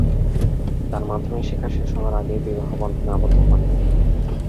তার মাধ্যমিক শিক্ষা শেষ হবার আগেই বিবাহ বন্ধনে আবদ্ধ হন।